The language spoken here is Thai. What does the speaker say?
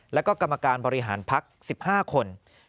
แล้วก็กรรมการบริหารพัก๑๕คน